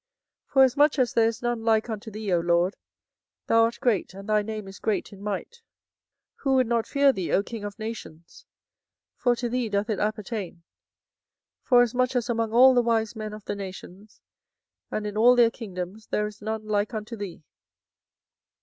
24:010:006 Forasmuch as there is none like unto thee, O LORD; thou art great, and thy name is great in might. 24:010:007 Who would not fear thee, O King of nations? for to thee doth it appertain: forasmuch as among all the wise men of the nations, and in all their kingdoms, there is none like unto thee.